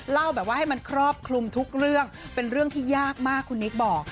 เล่าแบบว่าให้มันครอบคลุมทุกเรื่องเป็นเรื่องที่ยากมากคุณนิกบอก